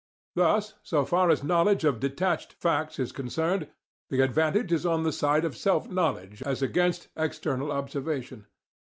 Thus, so far as knowledge of detached facts is concerned, the advantage is on the side of self knowledge as against external observation.